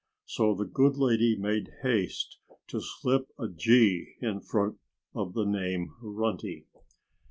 So the good lady made haste to slip a G in front of the name "Runty."